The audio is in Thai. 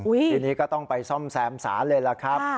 ทีนี้ก็ต้องไปซ่อมแซมศาลเลยล่ะครับ